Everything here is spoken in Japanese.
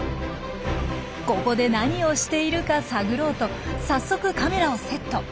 ここで何をしているか探ろうと早速カメラをセット。